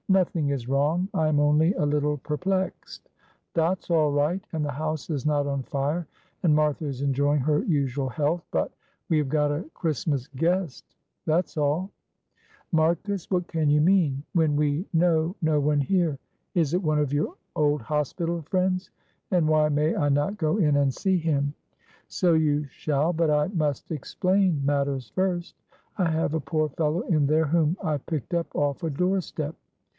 "Nothing is wrong, I am only a little perplexed. Dot's all right, and the house is not on fire, and Martha is enjoying her usual health, but we have got a Christmas guest, that's all." "Marcus, what can you mean, when we know no one here? Is it one of your old hospital friends? And why may I not go in and see him?" "So you shall, but I must explain matters first. I have a poor fellow in there whom I picked up off a door step.